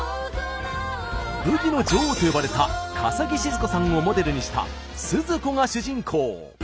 「ブギの女王」と呼ばれた笠置シヅ子さんをモデルにした鈴子が主人公。